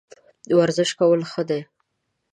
ورزش کول ښه دي